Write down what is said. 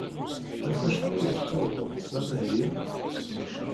Ɣef wacḥal ay tettawḍeḍ s amahil?